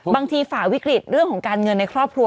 ฝ่าวิกฤตเรื่องของการเงินในครอบครัว